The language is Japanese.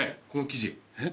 この記事。